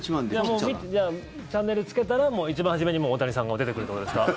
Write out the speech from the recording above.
もうチャンネルつけたら一番初めに大谷さんが出てくるということですか？